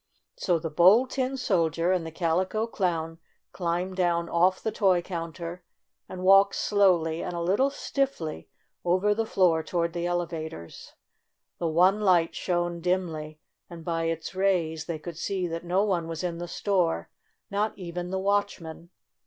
So the Bold Tin Soldier and the Cal ico Clown climbed down off the toy coun ter and walked slowly, and a little stiffly, over the floor toward the elevators. The one light shone dimly, and by its rays they could see that no one was in the store — not even the watchman.